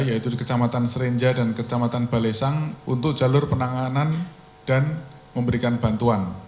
yaitu di kecamatan serenja dan kecamatan balesang untuk jalur penanganan dan memberikan bantuan